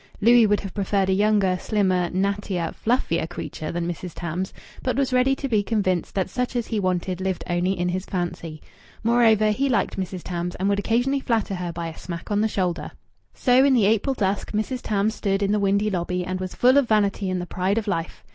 Louis would have preferred a younger, slimmer, nattier, fluffier creature than Mrs. Tams, but was ready to be convinced that such as he wanted lived only in his fancy. Moreover, he liked Mrs. Tams, and would occasionally flatter her by a smack on the shoulder. So in the April dusk Mrs. Tams stood in the windy lobby, and was full of vanity and the pride of life.